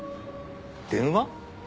電話？